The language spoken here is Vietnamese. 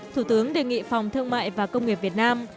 thủ tướng đề nghị phòng thương mại và công nghiệp việt nam